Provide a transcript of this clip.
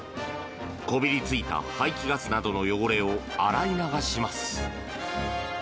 こびりついた排気ガスなどの汚れを洗い流します。